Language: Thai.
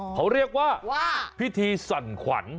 เขาเรียกว่าพิธีสั่นขวัญ